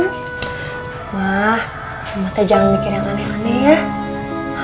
ma mama tuh jangan mikir yang aneh aneh ya